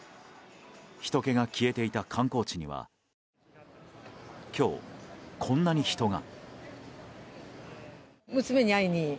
人けが消えていた観光地には今日、こんなに人が。